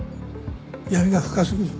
闇が深過ぎる。